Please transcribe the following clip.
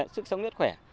sức sống rất khỏe